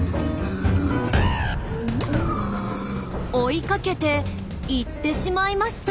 追いかけて行ってしまいました。